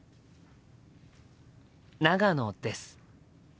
長野です。